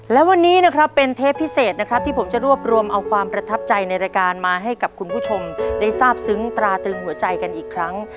และวันนี้นะครับเป็นเทปพิเศษนะครับที่ผมจะรวบรวมเอาความประทับใจในรายการมาให้กับคุณผู้ชมได้ทราบซึ้งตราตรึงหัวใจกันอีกครั้ง